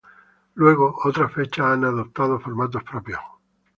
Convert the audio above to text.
Luego, otras fechas han adoptado formatos propios.